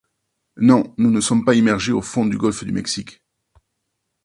Non, nous ne sommes pas immergés au fond du golfe du Mexique!